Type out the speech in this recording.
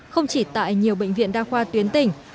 không chỉ tại nhiều bệnh viện đa khoa tuyến tỉnh